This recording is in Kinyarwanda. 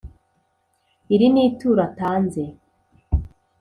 Iri ni ituro atanze